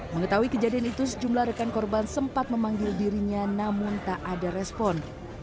mengetahui kejadian itu sejumlah rekan korban sempat memanggil dirinya namun tak ada respon